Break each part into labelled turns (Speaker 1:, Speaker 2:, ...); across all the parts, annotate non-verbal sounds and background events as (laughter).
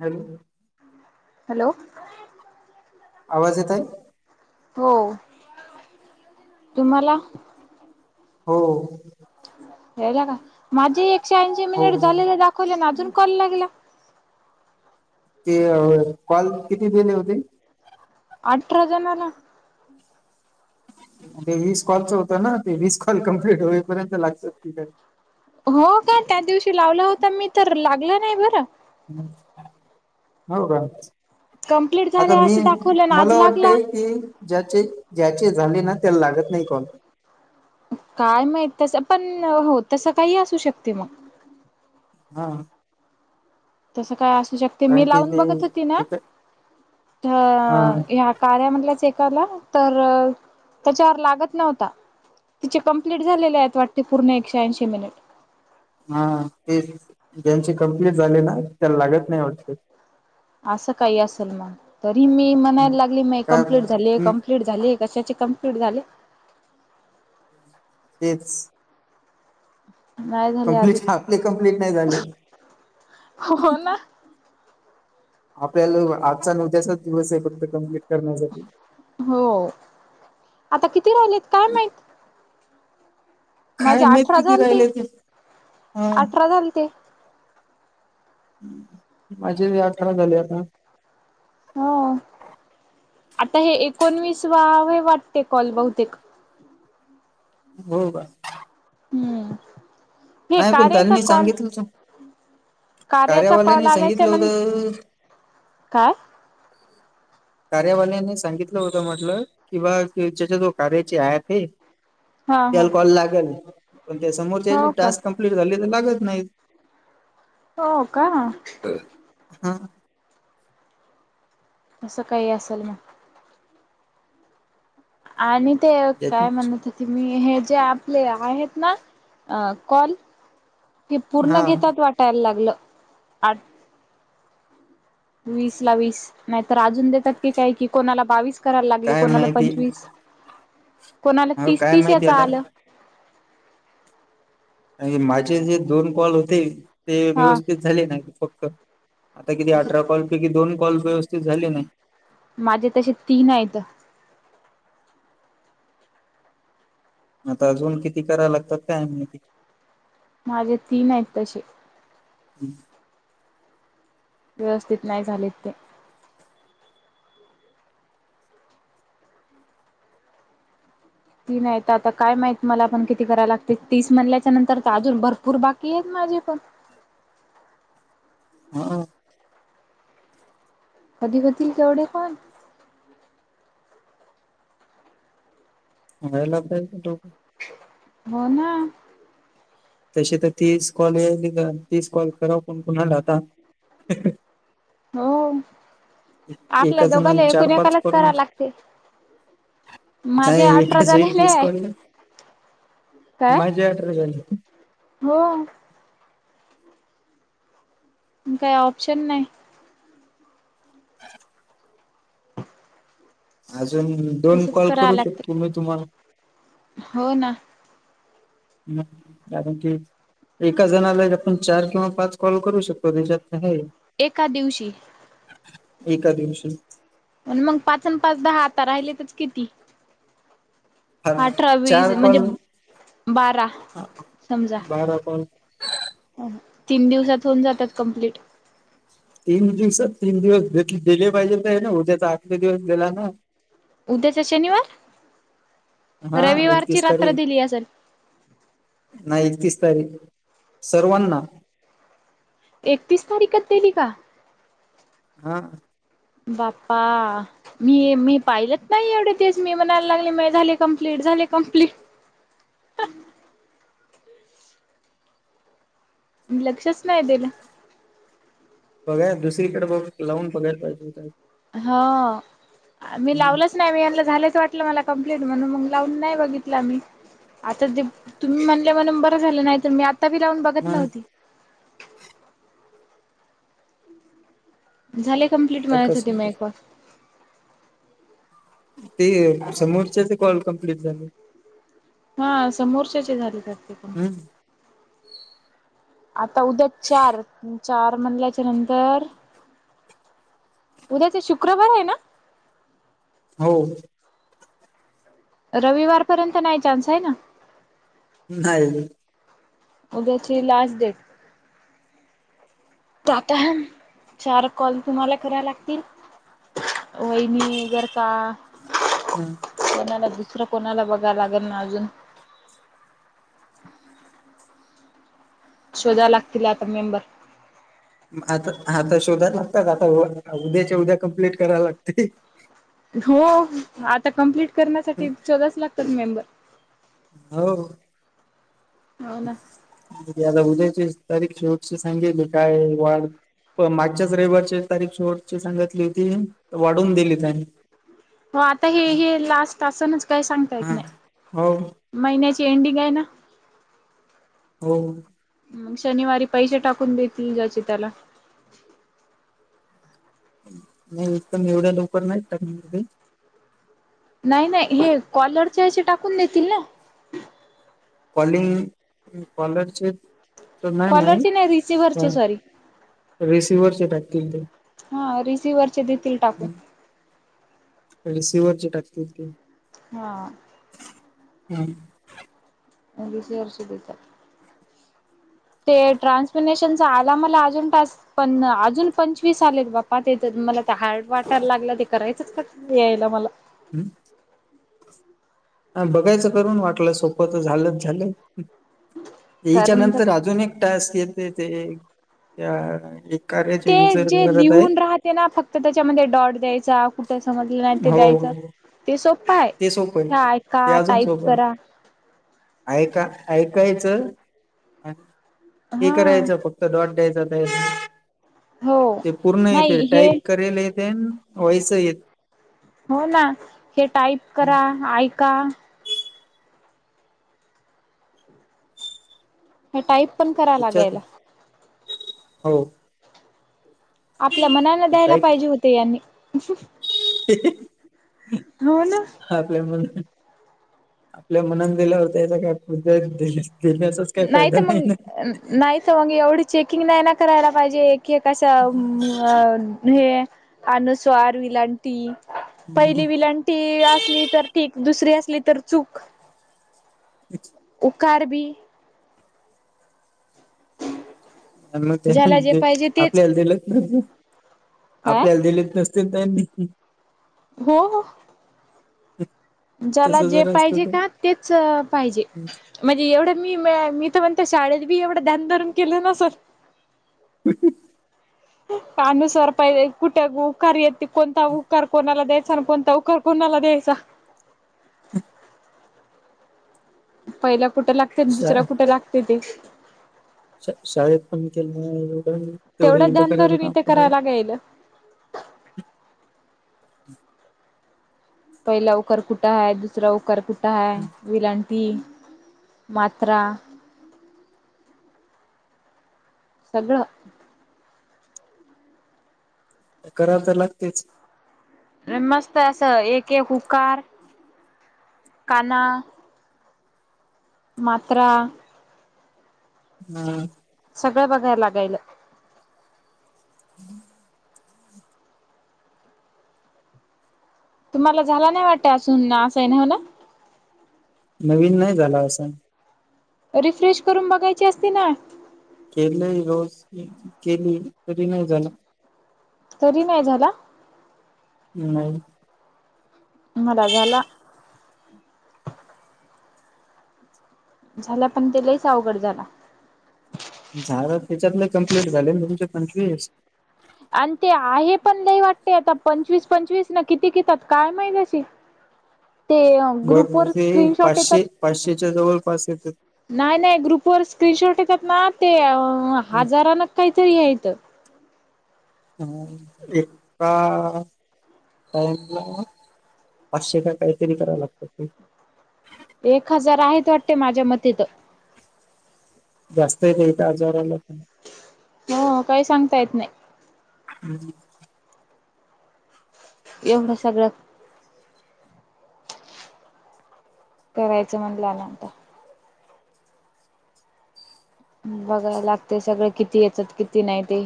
Speaker 1: Hello
Speaker 2: hello
Speaker 1: आवाज येतोय?
Speaker 2: हो. तुम्हाला?
Speaker 1: हो.
Speaker 2: ठेवला का माझी एकशे ऐंशी
Speaker 1: हो
Speaker 2: मिनिट झालेले दाखवले ना अजून कॉल लागला.
Speaker 1: ते अ कॉल किती दिले होते?
Speaker 2: अठरा जणाला.
Speaker 1: ते वीस कॉलच होतं ना ते वीस कॉल कम्प्लीट होईपर्यंत लक्षात येईना.
Speaker 2: हो का त्या दिवशी लावला होता मी तर लागलं नाही बरं.
Speaker 1: हम् हो का
Speaker 2: कंप्लीट झाले
Speaker 1: आता मी
Speaker 2: असं दाखवलं ना आज
Speaker 1: मला
Speaker 2: लागला
Speaker 1: वाटतंय की, ज्याचे ज्याचे झाले ना त्याला लागत नाही काॅल.
Speaker 2: काय माहित तस पण हो तसं काही असू शकते मग.
Speaker 1: हा
Speaker 2: तसं काय असू शकते
Speaker 1: कारण
Speaker 2: मी
Speaker 1: की
Speaker 2: लावून
Speaker 1: ते
Speaker 2: बघत होती ना
Speaker 1: एक हा
Speaker 2: तर ह्या, कार्या मधला चेक आला तर अ त्याच्यावर लागत नव्हता. तिचे कम्प्लीट झालेले आहेत वाटते पूर्ण एकशेऐंशी मिनिट.
Speaker 1: हा तेच ज्यांची कम्प्लीट झाली ना त्याला लागत नाही वाटतं?
Speaker 2: असं काही असेल मग तरी मी म्हणायला लागले मये
Speaker 1: काय
Speaker 2: कंप्लीट झाली
Speaker 1: हम्म,
Speaker 2: कंम्प्लीट, क्ली झाली कशाचे कंप्लीट झाले.
Speaker 1: तेच.
Speaker 2: नाही झाले अजून
Speaker 1: कंमप्लीट आपले कंप्लीट नाही झाले.
Speaker 2: हो ना
Speaker 1: आपल्याला आजचा न उद्याचाच दिवस आहे फक्त कमप्लीट करण्यासाठी.
Speaker 2: हो आता किती राहिलेत काय माहित?
Speaker 1: काय
Speaker 2: माझे अठरा
Speaker 1: माहिती किती
Speaker 2: झालते
Speaker 1: राहिले ते ह्अ.
Speaker 2: अठरा झालते
Speaker 1: माझे बी अठरा झाले आता.
Speaker 2: हो आता हे एकोणवीस वावे वाटते कॉल बहुतेक,
Speaker 1: हो का,
Speaker 2: हम्म हे
Speaker 1: नाही पण
Speaker 2: कार्यचा
Speaker 1: त्यांनी
Speaker 2: कॉल.
Speaker 1: सांगितलंच
Speaker 2: कार्याचा कॉल
Speaker 1: कार्यावाल्यानी
Speaker 2: आल्याच्या
Speaker 1: सांगितलं
Speaker 2: नंतर
Speaker 1: होतं
Speaker 2: काय?
Speaker 1: कार्यावाल्याने सांगितलं होतं म्हटलं कि बा ज्याच्या जो कार्याचे ॲप आहे.
Speaker 2: हा हा
Speaker 1: त्याला कॉल लागेल पण त्या समोर त्या
Speaker 2: हो का
Speaker 1: टास्क कंप्लीट झाली तर लागत नाही.
Speaker 2: हो का?
Speaker 1: हा.
Speaker 2: तसं काही असल. आणि ते काय
Speaker 1: ज्याची-
Speaker 2: म्हणतात. ते मी हे जे आपले आहेत ना कॉल. ते पूर्ण
Speaker 1: हा
Speaker 2: घेतात वाटायला लागलंय. वीस ला वीस. नाहीतर अजून देतात की काय की. कोणाला बावीस करायला लागले
Speaker 1: काय
Speaker 2: कोणाला
Speaker 1: माहिती
Speaker 2: पंचवीस. कोणाला
Speaker 1: अहो काय
Speaker 2: तीस-तीस
Speaker 1: माहिती
Speaker 2: याच
Speaker 1: आता
Speaker 2: आलं.
Speaker 1: आणि माझे जे दोन कॉल होते ते
Speaker 2: हा
Speaker 1: व्यवस्थित झाले नाही फक्त. आता किती अठरा कॉल पैकी दोन कॉल व्यवस्थित झाले नाही.
Speaker 2: माझे तसे तीन आहेत.
Speaker 1: आता अजून किती करायला लागतात काय माहिती.
Speaker 2: माझे तीन आहेत तसे. व्यवस्थित नाही झालेत ते. तीन आहेत आता काय माहित मला पण किती करायला लागतील. तीस म्हणल्याच्या नंतर अजून भरपूर बाकी आहेत माझे पण.
Speaker 1: हा.
Speaker 2: कधी होतील केवढे कॉल?
Speaker 1: व्हायला पाहिजे वो.
Speaker 2: हो ना.
Speaker 1: तसे तर तीस कॉल यायले का तीस कॉल कराव पण कुणाल आता.
Speaker 2: हो. आपल्या
Speaker 1: एका
Speaker 2: दोघांला
Speaker 1: जणाला चार
Speaker 2: एकूण
Speaker 1: पाच
Speaker 2: एकालाच
Speaker 1: करून
Speaker 2: करा लागते. माझे
Speaker 1: नाही
Speaker 2: अठरा
Speaker 1: एकाच वेळी
Speaker 2: झालेले
Speaker 1: तीस
Speaker 2: आहे.
Speaker 1: कॉल
Speaker 2: काय?
Speaker 1: माझे अठरा झाले.
Speaker 2: हो. काय ऑप्शन नाही.
Speaker 1: (inaudible) अजून दोन
Speaker 2: तसच
Speaker 1: कॉल
Speaker 2: कराव
Speaker 1: करू
Speaker 2: लागते
Speaker 1: शकतो मी तुम्हाला.
Speaker 2: हो ना.
Speaker 1: ह कारण की एका जणाला एक आपण चार किंवा पाच कॉल करू शकतो त्याच्यात तर हाय.
Speaker 2: एका दिवशी.
Speaker 1: एका दिवशी.
Speaker 2: पण मग पाचन पाच दहा आता राहिले तच किती? अठरा, वीस
Speaker 1: चार
Speaker 2: म्हणजे
Speaker 1: कॉल
Speaker 2: बारा समजा.
Speaker 1: बारा कॉल
Speaker 2: तीन दिवसात होऊन जातात कम्प्लीट.
Speaker 1: तीन दिवसात तीन दिवस दिले पाहिजे तर ना उद्याचा आठले दिवस दिला ना.
Speaker 2: उद्याच्या शनिवार,
Speaker 1: हा
Speaker 2: रविवारची
Speaker 1: एकतीस
Speaker 2: रात्र
Speaker 1: तारीख
Speaker 2: दिली असेल.
Speaker 1: नाही एकतीस तारीख सर्वांना.
Speaker 2: एकतीस तारीखच दिली का?
Speaker 1: हा.
Speaker 2: बाप्पा. मी मी पाहिलंत नाही एवढे दिवस मी म्हणायला लागले झाले कमप्लीट झाले कंप्लीट. लक्षच नाही दिलं.
Speaker 1: बघाय दुसरीकडे बघ लावून बघायला पाहिजे हो.
Speaker 2: हा आम्ही लावल नाही मी हेनला झालेच वाटलं मला कंप्लेट म्हणून मग लावून नाही बघितला मी. आता ते तुम्ही म्हणले म्हणून बरं झालं नाही तर मी आता बी लावून बघत
Speaker 1: म
Speaker 2: नव्हती. झाले कम्प्लीट
Speaker 1: आता
Speaker 2: म्हयत
Speaker 1: कस
Speaker 2: होती मी.
Speaker 1: ते समोरच्याचे कॉल कमप्लीट झाले.
Speaker 2: हा समोरच्याचे झालेच वाटते
Speaker 1: हम्म
Speaker 2: कंप्लीट. आता उद्या चार, चार म्हणल्याच्या नंतर उद्याच शुक्रवार आहे ना?
Speaker 1: हो.
Speaker 2: रविवार पर्यंत नाही चान्स आहे ना.
Speaker 1: नाही.
Speaker 2: उद्याची लास्ट डेट. त आता चार कॉल तुम्हाला करा लागतील. वहिनी जर का
Speaker 1: हम्म
Speaker 2: (unintelligible) कोणाला दुसरं कोणाला बघाव लागेल ना अजून. शोधाय लागतील आता मेंबर.
Speaker 1: आता आता शोधाला लागात आता उद्याच्या उद्या कम्प्लीट करायला लागते.
Speaker 2: हो आता कम्प्लीट करण्यासाठी शोधावंच लागतात मेंबर.
Speaker 1: हो
Speaker 2: हो ना
Speaker 1: आता उद्याची तारीख शेवटशी सांगली काय वाटतं. प मागच्याच रविवारची तारीख शेवटची सांगितली होती वाढवून दिली त्यांनी.
Speaker 2: हो आता हे हे लास्ट असनच काही सांगता येत
Speaker 1: हा
Speaker 2: नाही.
Speaker 1: हो
Speaker 2: महिन्याची एंडिंग आहे ना.
Speaker 1: हो
Speaker 2: मग शनिवारी पैसे टाकून देतील ज्याचे त्याला.
Speaker 1: नाही एकदम एवढ्या लवकर नाही टाकणार ते.
Speaker 2: नाही नाही हे कॉलरचे असे टाकून देतील ना.
Speaker 1: कॉलिंग, कॉलर चे. तर नाही नाही
Speaker 2: कॉलरचे रिसिव्हरचे सॉरी.
Speaker 1: तर रिसिवरचे टाकतील ते.
Speaker 2: हा रिसिवर्हरचे देतील टाकून.
Speaker 1: रिसिवरची टाकतील.
Speaker 2: हा
Speaker 1: हम्म
Speaker 2: रिसिव्ह चे देऊन टाकतील. ते ट्रान्समिनेशनचा आला मला अजून. पण अजून पंचवीस आलेत बापा ते तर मला. त्या हार्ड वाटायला लागलं ते करायचंच का यायला मला.
Speaker 1: हं (inaudible) बघायचं करून वाटलं सोपं तर झालंच झालं याच्या
Speaker 2: कारण
Speaker 1: नंतर अजून एक टास्क येत ते त्या एक कार्याचे युजर करत आहे.
Speaker 2: तेना फक्त त्याच्यामध्ये डॉट द्यायचा. कुठं समजलं नाही ते द्यायचं
Speaker 1: हो
Speaker 2: ते सोपं
Speaker 1: ते सोपं
Speaker 2: ह
Speaker 1: आहे
Speaker 2: ऐका
Speaker 1: ते अजून
Speaker 2: टाईप
Speaker 1: सोपं आहे
Speaker 2: करा.
Speaker 1: ऐका ऐकायचं आणि हे
Speaker 2: हा
Speaker 1: करायचं फक्त. डॉट द्यायचा
Speaker 2: हो
Speaker 1: ते पूर्ण येते
Speaker 2: नाही हे
Speaker 1: टाईप करायला तेन. व्हॉईस येत.
Speaker 2: हो ना हे टाईप करा, ऐका हे टाईप पण कराव
Speaker 1: याच्यात
Speaker 2: लागेल.
Speaker 1: हो.
Speaker 2: आपल्या मनान द्यायला
Speaker 1: टाईप
Speaker 2: पाहिजे होते यांनी. हो ना
Speaker 1: आपल्या म्हनांन. आपल्या मनान दिला होता याचा फायदा देण्याचाच काही फायदा नाही ना.
Speaker 2: नाहीत मग एवढी चेकिंग नाही ना करायला पाहिजे एक एक असं हम, अ हे अनुस्वार, विलांटी पहिली विलांट- लांटी असली तर ठीक दुसरी असली तर चूक.
Speaker 1: अच्छा.
Speaker 2: उकार बी,
Speaker 1: मग
Speaker 2: ज्याला जे
Speaker 1: ते
Speaker 2: पाहिजे तेच
Speaker 1: आपल्या दिलंच तस
Speaker 2: काय
Speaker 1: आपल्या दिलेत नसत. नसते त्यांनी.
Speaker 2: हो हो. ज्याला
Speaker 1: तसं
Speaker 2: जे
Speaker 1: जर असत
Speaker 2: पाहिजे का तेच पाहिजे.
Speaker 1: तर
Speaker 2: म्हणजे एवढं मी मी तर म्हणते शाळेत बी एवढं ध्यान धरून केलं नसल‌.
Speaker 1: (inaudible)
Speaker 2: अनुस्वार पय कुठ उकारा येते, कोणता उकारा कोणाला दया सांग कोणता उकार कोणाला द्यायचा? पहिला कुठं लागते
Speaker 1: शा
Speaker 2: दुसरा कुठे लागते ते.
Speaker 1: शाळेत पण केलं एवढं तेवढं इथं करायला (unintelligible)
Speaker 2: पयल. पहिला उकार कुठा हाय दुसरा उकार कुठा हाय विलांट टी मात्रा. सगळं.
Speaker 1: कराव तर लागतेच.
Speaker 2: मस्त असं एका एक ऊकार काना. मात्रा.
Speaker 1: हम्.
Speaker 2: सगळं बघायला लागायला.
Speaker 1: (inaudible)
Speaker 2: तुम्हाला झाला नाही वाटत अजून असाईन ‌हो ना?
Speaker 1: नवीन नाही झाला आसाईन.
Speaker 2: रिफ्रेश करून बघायची असते ना.
Speaker 1: केलंय रोज केली तरी नाही झालं.
Speaker 2: तरी नाही झाला.
Speaker 1: नाही.
Speaker 2: मला झाला. झाला पण ते लई च अवघड झाला.
Speaker 1: झाल त्याच्यातले कम्प्लीट झाले तुमचे पंचवीस?
Speaker 2: आणि ते आहे पण नाही वाटते आता पंचवीस पंचवीस ना किती घेतात काय माहीत शी? ते
Speaker 1: बघ
Speaker 2: ग्रुप वर
Speaker 1: ते
Speaker 2: स्क्रीनशॉट येतात.
Speaker 1: पाचशे पाचशेच्या जवळपास येतेत.
Speaker 2: नाही नाही ग्रुपवर स्क्रीनशॉट येतात ना ते हजारानं काहीतरी हायत.
Speaker 1: अं एका टाईमला, पाचशे का काहीतरी करावं लागतात ते.
Speaker 2: एक हजार आहेत वाटते माझ्या मती तर.
Speaker 1: जास्त येतं हे एका हजाराला पण.
Speaker 2: हो काही सांगता येतं नाही.
Speaker 1: हम्म
Speaker 2: एवढं सगळ्यात करायचं म्हणल्यानंतर, बघायला लागतेय सगळं किती येतात किती नाही ते.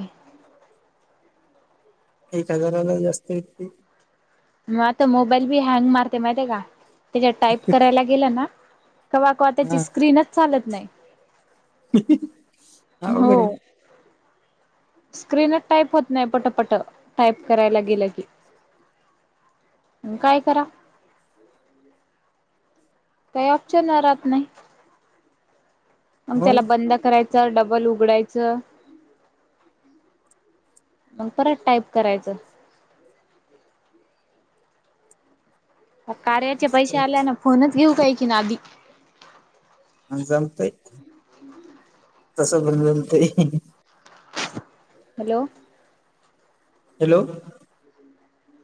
Speaker 1: एक हजाराला जास्त येती.
Speaker 2: मग आता मोबाईल बी हँग मारते माहिती का, त्याच्यात टाईप करायला गेलं ना, तव्हा कवा त्याची
Speaker 1: हा
Speaker 2: स्क्रीनच चालतं नाही.
Speaker 1: आवघडय
Speaker 2: स्क्रीन टाईप होत नाही पटापटा, टाईप करायला गेलं की. काय करावं? काही ऑप्शन राहतं नाही. मग
Speaker 1: हो
Speaker 2: त्याला बंद करायचं डबल उघडायचं. मग परत टाईप करायचं. मग कार्याचे
Speaker 1: मस्त
Speaker 2: पैसे आल्यान
Speaker 1: आहे.
Speaker 2: फोनच घेऊ काही कीन आधी.
Speaker 1: आणि जमतंय, तसंच बनतय,
Speaker 2: हॅलो!
Speaker 1: हॅलो!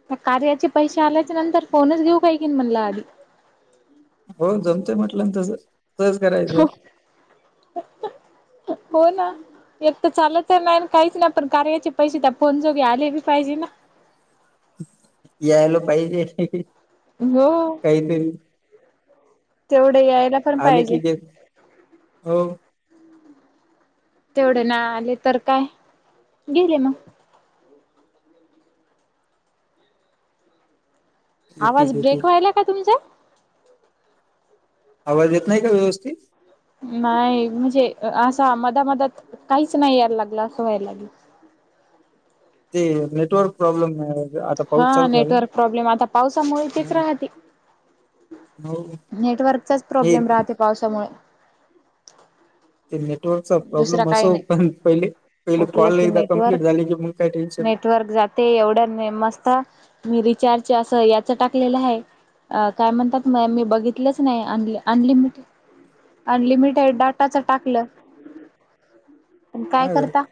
Speaker 2: त्या कार्याचे पैसे आल्याचे नंतर फोनच घेऊ काही कीन म्हणलं आधी.
Speaker 1: हो जमतय म्हटलं ना तसंच, तसंच करायचं.
Speaker 2: हो ना एक तर चालत नाही काहीच नाही पण कायॉचे पैसे त्या फोन जोगे आलेबी पाहिजे ना.
Speaker 1: यायला पाहिजे.
Speaker 2: हो,
Speaker 1: काहीतरी
Speaker 2: तेवढे यायला पण
Speaker 1: आले
Speaker 2: पाहिजे
Speaker 1: किती ये? हो
Speaker 2: तेवढे नाही आले तर काय? गेले मग.
Speaker 1: घेतील
Speaker 2: आवाज
Speaker 1: घेतील
Speaker 2: ब्रेक व्हायला काय तुमचा?
Speaker 1: आवाज येत नाही का व्यवस्थित?
Speaker 2: नाही म्हणजे असा मध्यामध्यात काहीच नाही यायला लागलं असं व्हायला लागल.
Speaker 1: ते नेटवर्क प्रॉब्लेम आहे.
Speaker 2: हा नेटवर्क प्रॉब्लेम ये आता पावसामुळे येतच
Speaker 1: ना
Speaker 2: राहतील.
Speaker 1: हो
Speaker 2: नेटवर्कचाच
Speaker 1: हे
Speaker 2: प्रॉब्लेम राहते
Speaker 1: ते
Speaker 2: पावसामुळे.
Speaker 1: ते नेटवर्कचा
Speaker 2: दुसरा
Speaker 1: प्रॉब्लेम
Speaker 2: काही
Speaker 1: असो
Speaker 2: नाही.
Speaker 1: पण पहिले, पहिले
Speaker 2: उठलं
Speaker 1: कॉल
Speaker 2: की
Speaker 1: एकदा कम्प्लीट झाली की मग काय टेन्शन नाही.
Speaker 2: ते एवढं नेम असतं, मी रिचार्ज असं याच टाकलेलं हाय. अ काय म्हणतात म मी बघितलंच नाही अन अनलिमिटेड अनलिमिटेड डाटाच टाकलं. पण काय
Speaker 1: हा का
Speaker 2: करता?